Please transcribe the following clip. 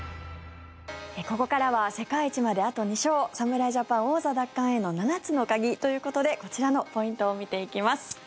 ここからは世界一まであと２勝侍ジャパン王座奪還への７つの鍵ということでこちらのポイントを見ていきます。